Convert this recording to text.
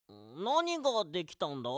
なにができたんだ？